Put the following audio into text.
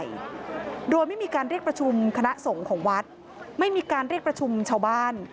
ด้วยโดยไม่มีการเรียกประชุมคณะสงฆ์ของวัดไม่มีการเรียกประชุมชาวบ้าน